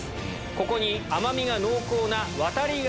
ここに甘みが濃厚な。